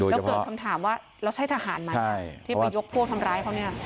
แล้วเกิดคำถามว่าเราใช่ทหารไหมที่ไปยกพวกทำร้ายเขาเนี่ย